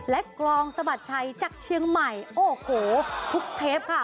และกรองสะบัดชัยจากเชียงใหม่โอ้โหทุกเทปค่ะ